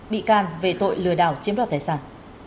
bị can về tội lừa đảo chiếm đoạt tài sản